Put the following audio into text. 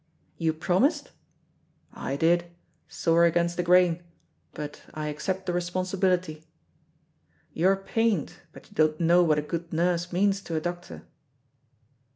"You promised?" "I did, sore against the grain, but I accept the responsibility. You are pained, but you don't know what a good nurse means to a doctor."